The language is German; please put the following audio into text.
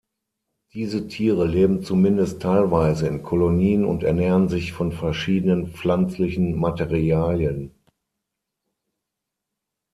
Diese Tiere leben zumindest teilweise in Kolonien und ernähren sich von verschiedenen pflanzlichen Materialien.